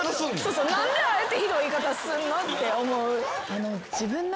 何であえてひどい言い方すんの？って思う。